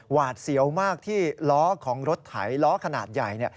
หวาดเสียวมากที่ล้อของรถไถล้อขนาดใหญ่